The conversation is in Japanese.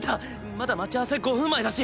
まだ待ち合わせ５分前だし。